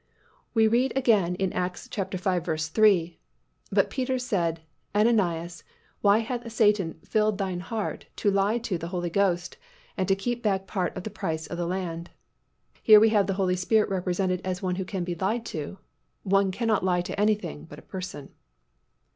We read again in Acts v. 3, "But Peter said, Ananias, why hath Satan filled thine heart to lie to the Holy Ghost, and to keep back part of the price of the land?" Here we have the Holy Spirit represented as one who can be lied to. One cannot lie to anything but a person.